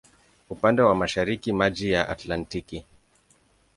Upande wa mashariki maji ya Atlantiki.